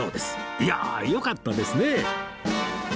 いやあよかったですね